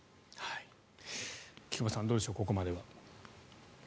菊間さん、どうでしょうここまでは。